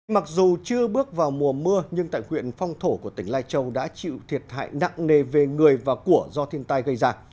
mặc dù chưa bước vào mùa mưa nhưng tại huyện phong thổ của tỉnh lai châu đã chịu thiệt hại nặng nề về người và của do thiên tai gây ra